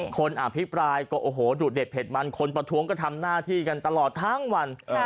อภิปรายก็โอ้โหดูดเด็ดเผ็ดมันคนประท้วงก็ทำหน้าที่กันตลอดทั้งวัน